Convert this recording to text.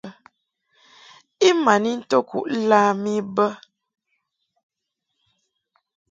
I ma n into kuʼ lam I bə.